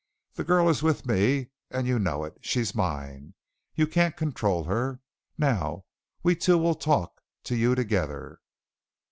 The girl is with me, and you know it. She's mine. You can't control her. Now we two will talk to you together."